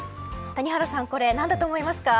谷原さんこれは何だと思いますか。